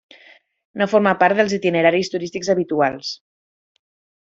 No forma part dels itineraris turístics habituals.